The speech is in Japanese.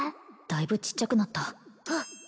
だいぶちっちゃくなったはっ！